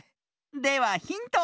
ではヒント。